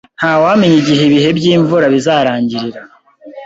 Ntawamenya igihe ibihe by'imvura bizarangirira.